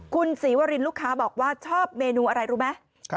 คุณศรีวรินลูกค้าบอกว่าชอบเมนูอะไรรู้ไหม